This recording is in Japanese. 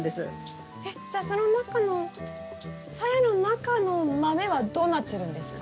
えっじゃあその中のさやの中のマメはどうなってるんですか？